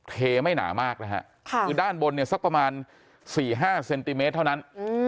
เทไม่หนามากนะฮะคือด้านบนเนี่ยสักประมาณ๔๕เซนติเมตรเท่านั้น